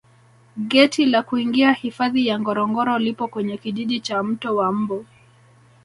geti la kuingia hifadhi ya ngorongoro lipo kwenye kijiji cha mto wa mbu